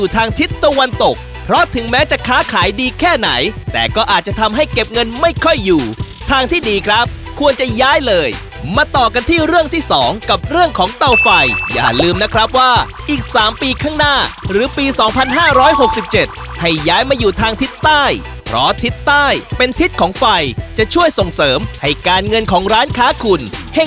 ทางทิศตะวันตกเพราะถึงแม้จะค้าขายดีแค่ไหนแต่ก็อาจจะทำให้เก็บเงินไม่ค่อยอยู่ทางที่ดีครับควรจะย้ายเลยมาต่อกันที่เรื่องที่สองกับเรื่องของเตาไฟอย่าลืมนะครับว่าอีก๓ปีข้างหน้าหรือปี๒๕๖๗ให้ย้ายมาอยู่ทางทิศใต้เพราะทิศใต้เป็นทิศของไฟจะช่วยส่งเสริมให้การเงินของร้านค้าคุณให้